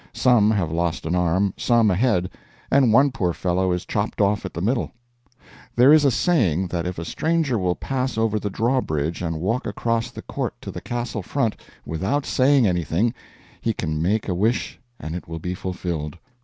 Some have lost an arm, some a head, and one poor fellow is chopped off at the middle. There is a saying that if a stranger will pass over the drawbridge and walk across the court to the castle front without saying anything, he can make a wish and it will be fulfilled.